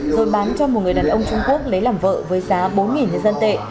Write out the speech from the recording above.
rồi bán cho một người đàn ông trung quốc lấy làm vợ với giá bốn nhân dân tệ